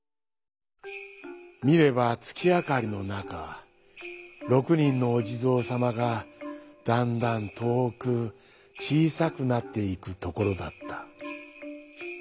みればつきあかりのなか６にんのおじぞうさまがだんだんとおくちいさくなっていくところだった。